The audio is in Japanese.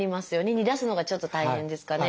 煮出すのがちょっと大変ですかね。